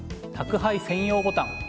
宅配専用ボタン。